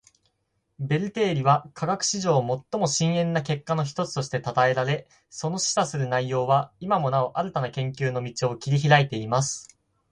ベル定理は科学史上最も深遠な結果の一つとして讃えられ，その示唆する内容は今もなお新たな研究の道を切り拓いています．